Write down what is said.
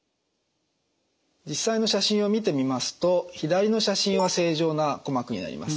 実際の写真を見てみますと左の写真は正常な鼓膜になります。